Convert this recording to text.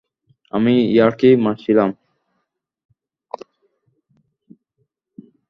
আমি ইয়ার্কি মারছিলাম।